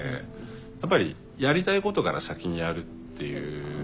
やっぱりやりたいことから先にやるっていうのを。